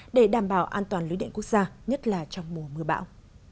để đảm bảo an toàn lưới điện quốc gia nhất là trong mùa mưa bão